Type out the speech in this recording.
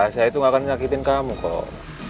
saya itu gak akan nyakitin kamu kok